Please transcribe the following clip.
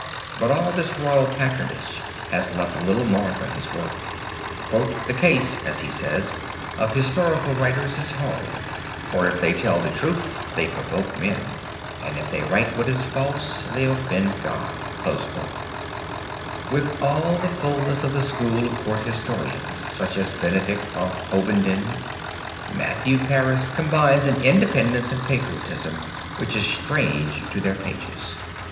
But all this royal patronage has left little mark on his work. "The case," as he says, "_of historical writers is hard, for if they tell the truth they provoke men, and if they write what is false they offend God._" With all the fullness of the school of court historians, such as Benedict or Hoveden, Matthew Paris combines an independence and patriotism which is strange to their pages.